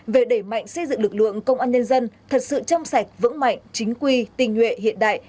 về đẩy mạnh xây dựng lực lượng công an nhân dân thật sự trong sạch vững mạnh chính quy tình nguyện hiện đại